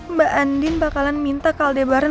mbak andin bakalan minta ke aldebaran